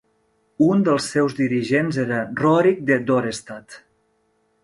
Un dels seus dirigents era Rorik de Dorestad.